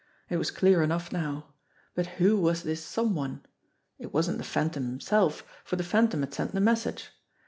It was clear enough now. But who was this "some one ?" It wasn't the Phantom himself, for the Phantom had sent the message.